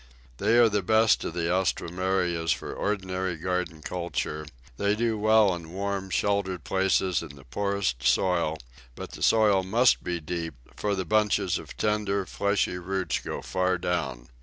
These are the best of the Alströmerias for ordinary garden culture; they do well in warm, sheltered places in the poorest soil, but the soil must be deep, for the bunches of tender, fleshy roots go far down.